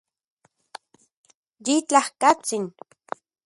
Yitlajkatsin